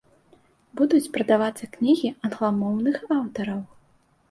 Будуць прадавацца кнігі англамоўных аўтараў.